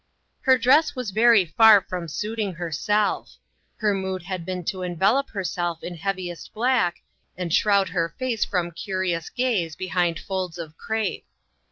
Her dress was very far from suiting her 68 INTERRUPTED. self. Her mood had been to envelop herself in heaviest black, and shroud her face from curious gaze behind folds of crape.